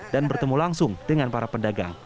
dan bertemu langsung dengan para pedagang